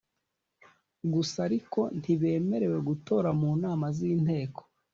Gusa ariko ntibemerewe gutora mu nama z inteko